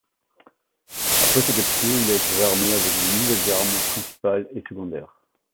Après sa capture il a été réarmé avec de nouvelles armes principales et secondaires.